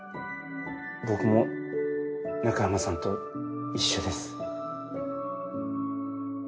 僕も中山さんと一緒です。